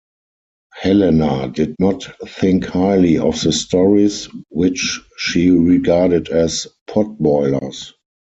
Helena did not think highly of the stories, which she regarded as potboilers.